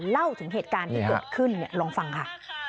เล่าถึงเหตุการณ์ที่เกิดขึ้นลองฟังค่ะ